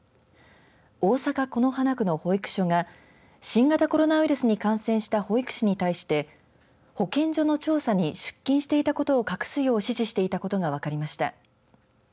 大阪、此花区の保育所が新型コロナウイルスに感染した保育士に対して保健所の調査に出勤していたことを隠すよう指示していたことが分かりました。